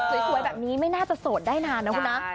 สวยแบบนี้ไม่น่าจะโสดได้นานนะคุณนะ